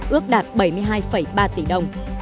ước đạt bảy mươi hai ba tỷ đồng